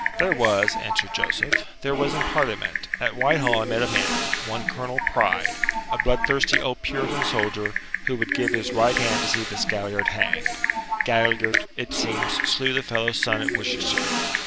"There was," answered Joseph. "There was in Parliament. At Whitehall I met a man one Colonel Pride a bloodthirsty old Puritan soldier, who would give his right hand to see this Galliard hanged. Galliard, it seems, slew the fellow's son at Worcester.